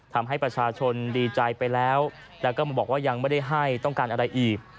ทำให้ประชาชนดีใจไปแล้วแล้วก็มาบอกว่ายังไม่ได้ให้ต้องการอะไรอีก